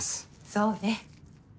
そうね。